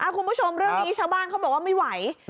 คุณผู้ชมเรื่องนี้ชาวบ้านเขาบอกว่าไม่ไหว